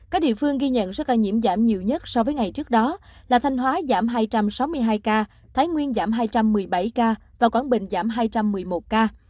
các địa phương ghi nhận số ca nhiễm giảm nhiều nhất so với ngày trước đó là thanh hóa giảm hai trăm sáu mươi hai ca thái nguyên giảm hai trăm một mươi bảy ca và quảng bình giảm hai trăm một mươi một ca